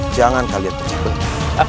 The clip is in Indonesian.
jangan kalian pecah beli